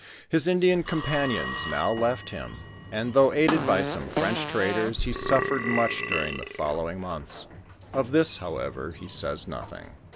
His Indian companions now left him, and though aided by some French traders, he suffered much during the fol lowing months. Of thia^ however, he says nothing.